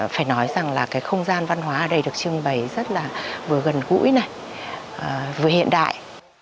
phải nói rằng là cái không gian văn hóa ở đây được trưng bày rất là vừa gần gũi này vừa hiện đại